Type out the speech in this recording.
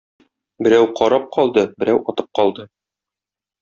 Берәү карап калды, берәү атып калды.